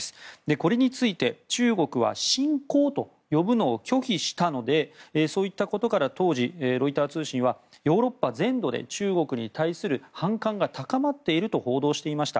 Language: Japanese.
これについて中国は侵攻と呼ぶのを拒否したのでそういったことから当時、ロイター通信はヨーロッパ全土で中国に対する反感が高まっていると報道していました。